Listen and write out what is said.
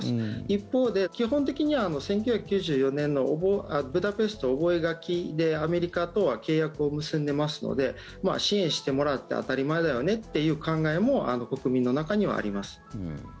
一方で基本的には１９９４年のブダペスト覚書でアメリカとは契約を結んでますので支援してもらって当たり前だよねって考えも国民の中にはあります。